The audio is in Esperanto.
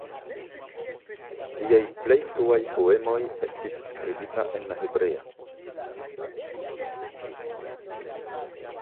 Liaj plej fruaj poemoj estis skribita en la hebrea.